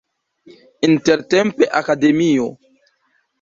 Intertempe Akademio.